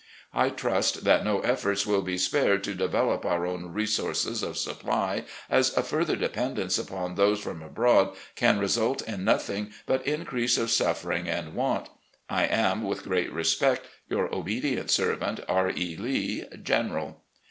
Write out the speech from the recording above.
... I trust that no efforts will be spared to develop our own resources of supply, as a further dependence upon those from abroad can result in nothing but increase of suffering and want. I am, with great respect, " Your obedient servant, "R. E. Lee, General."